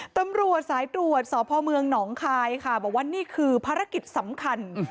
ตำรวจสายตรวจสพนคบอกว่านี่คือภารกิจสำคัญ